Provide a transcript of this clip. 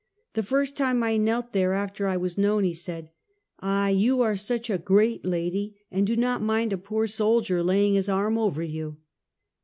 The first time I knelt there after I was known, he said: " Ah, you are such a great lady, and do not mind a poor soldier laying his arm over you